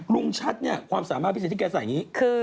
ลุงชัดเนี่ยความสามารถพิเศษที่แกใส่นี้คือ